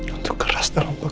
untuk keras dalam bekerja